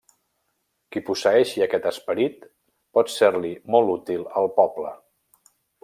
Qui posseeixi aquest esperit pot ser-li molt útil al poble.